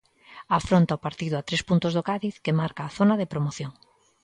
Afronta o partido a tres puntos do Cádiz, que marca a zona de promoción.